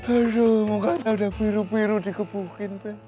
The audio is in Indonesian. aduh mukanya udah biru biru dikepukin be